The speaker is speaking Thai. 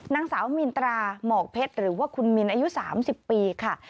นางสาวมีนตราหมอกเพชรหรือว่าคุณมินอายุ๓๐ปีค่ะ